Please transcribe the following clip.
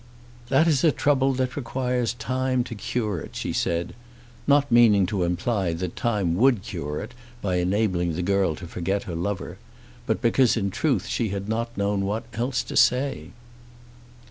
"That is a trouble that requires time to cure it," she said, not meaning to imply that time would cure it by enabling the girl to forget her lover; but because in truth she had not known what else to say.